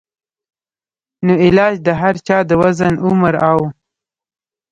نو علاج د هر چا د وزن ، عمر او